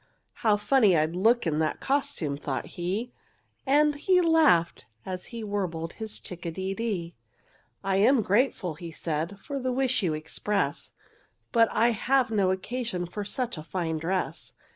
"How funny I'd look in that costume!" thought he, And he laughed, as he warbled his chick a de dee. "I am grateful," said he, "for the wish you express, But I have no occasion for such a fine dress.